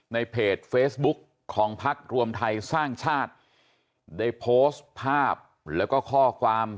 ในเพจเฟซบุ๊คของพักรวมไทยสร้างชาติได้โพสต์ภาพแล้วก็ข้อความ